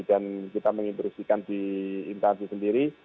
dan kita menginstruksikan di intansi sendiri